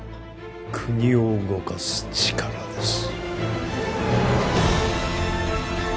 国を動かす力です。